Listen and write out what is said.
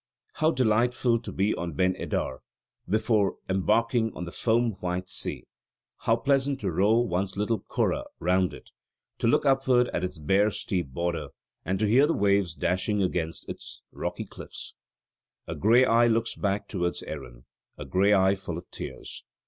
"How delightful to be on Ben Edar before embarking on the foam white sea; how pleasant to row one's little curragh round it, to look upward at its bare steep border, and to hear the waves dashing against its rocky cliffs. "A grey eye looks back towards Erin; a grey eye full of tears.